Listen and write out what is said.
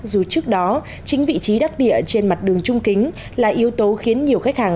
dù trước đó chính vị trí đắc địa trên mặt đường trung kính là yếu tố khiến nhiều khách hàng